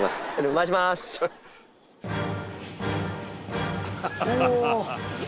回しまーす。